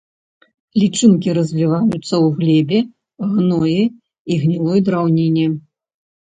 Лічынкі развіваюцца ў глебе, гноі і гнілой драўніне.